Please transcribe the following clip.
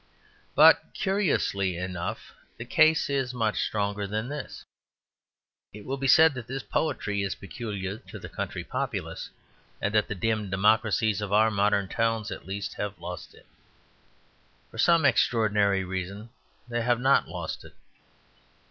But, curiously enough, the case is much stronger than this. It will be said that this poetry is peculiar to the country populace, and that the dim democracies of our modern towns at least have lost it. For some extraordinary reason they have not lost it.